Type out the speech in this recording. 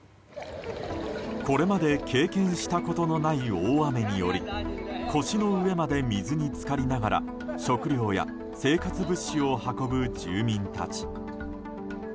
これまで経験したことのない大雨により腰の上まで水に浸かりながら食料や生活物資を運ぶ住民たち。